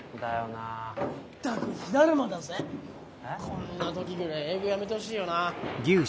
こんな時ぐらい営業やめてほしいよな。